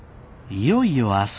いよいよ明日